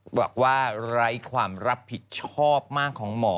บอกว่าไร้ความรับผิดชอบมากของหมอ